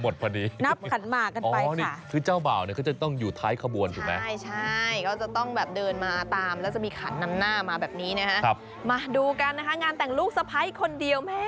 ไม่ต้องนับค่ะนับมาแล้วมี๑๐๐ขันแน่นอนนะครับ